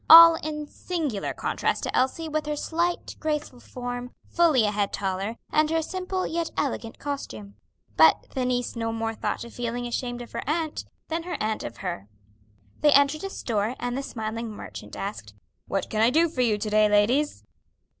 All in singular contrast to Elsie with her slight, graceful form, fully a head taller, and her simple yet elegant costume. But the niece no more thought of feeling ashamed of her aunt, than her aunt of her. They entered a store, and the smiling merchant asked, "What can I do for you to day, ladies?"